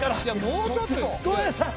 もうちょっと。ごめんなさい。